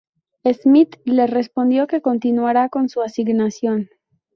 Smith le respondió que continuara con su asignación.